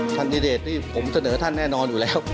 คันดิเดตนี่ผมเสนอท่านแน่นอนอยู่แล้ว